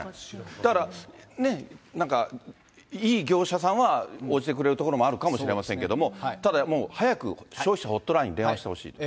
だからね、いい業者さんは、応じてくれるところもあるかもしれませんけども、ただ、早く消費者ホットラインに電話してほしい。